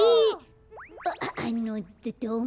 ああのどどうも。